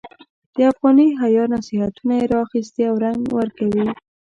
د افغاني حیا نصیحتونه یې را اخیستي او رنګ ورکوي.